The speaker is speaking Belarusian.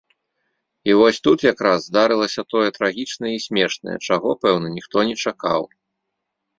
І вось тут якраз здарылася тое трагічнае і смешнае, чаго, пэўна, ніхто не чакаў.